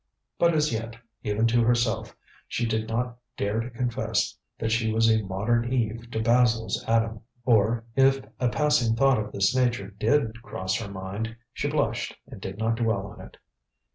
But as yet, even to herself, she did not dare to confess that she was a modern Eve to Basil's Adam. Or, if a passing thought of this nature did cross her mind, she blushed and did not dwell on it.